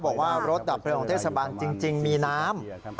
บอกว่ารถดับเพลิงของเทศบาลจริงมีน้ำ